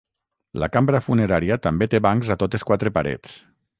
La cambra funerària també té bancs a totes quatre parets.